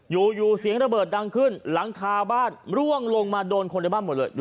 อยู่เสียงระเบิดดังขึ้นหลังคาบ้านร่วงลงมาโดนคนในบ้านหมดเลย